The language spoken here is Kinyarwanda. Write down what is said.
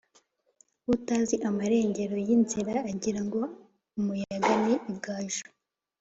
Utazi amarengero y’inzira ,agirango umuyaga ni igaju